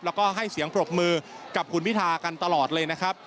แล้วก็ให้เสียงปรบมือกับคุณพิทากันตลอดเลยนะครับ